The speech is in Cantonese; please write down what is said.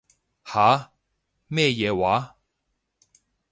吓？咩嘢話？